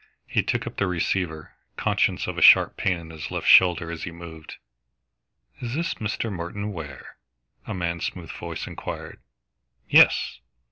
He took up the receiver, conscious of a sharp pain in his left shoulder as he moved. "Is this Mr. Merton Ware?" a man's smooth voice enquired. "Yes!"